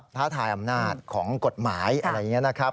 ท้าทายอำนาจของกฎหมายอะไรอย่างนี้นะครับ